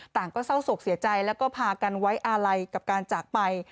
ก็เศร้าโศกเสียใจแล้วก็พากันไว้อาลัยกับการจากไป